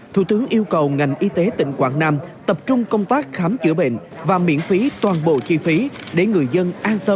thủ tướng yêu cầu ngành y tế tỉnh quảng nam tập trung công tác khám chữa bệnh và miễn phí toàn bộ chi phí để người dân an tâm